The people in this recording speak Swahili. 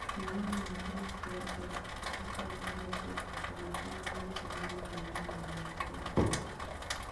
Mnyama mzima kiafya hupata ugonjwa huu kwa kugusana moja kwa moja na mnyama aliyeathiriwa